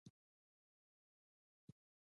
د هرات په انجیل کې د مالګې نښې شته.